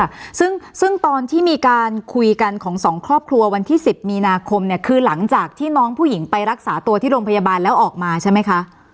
ค่ะซึ่งซึ่งตอนที่มีการคุยกันของสองครอบครัววันที่สิบมีนาคมเนี่ยคือหลังจากที่น้องผู้หญิงไปรักษาตัวที่โรงพยาบาลแล้วออกมาใช่ไหมคะ